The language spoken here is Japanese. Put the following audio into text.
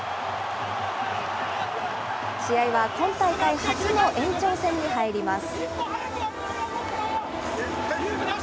試合は今大会初の延長戦に入ります。